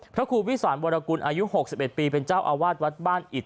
พระครูวิสานวรกุลอายุ๖๑ปีเป็นเจ้าอาวาสวัดบ้านอิด